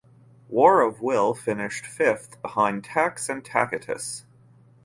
War of Will finished fifth behind Tax and Tacitus.